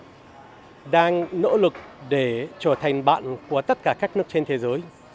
việt nam đang nỗ lực để trở thành bạn của tất cả các nước trên thế giới